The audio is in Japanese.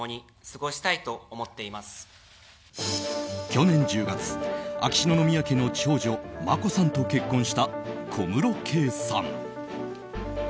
去年１０月秋篠宮家の長女・眞子さんと結婚した小室圭さん。